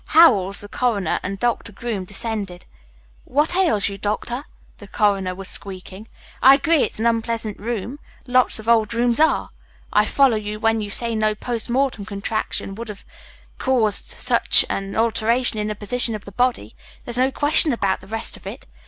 Howells, the coroner, and Doctor Groom descended. "What ails you, Doctor?" the coroner was squeaking. "I agree it's an unpleasant room. Lots of old rooms are. I follow you when you say no post mortem contraction would have caused such an alteration in the position of the body. There's no question about the rest of it.